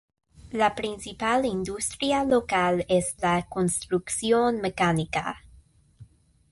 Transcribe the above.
La principal industria local es la construcción mecánica.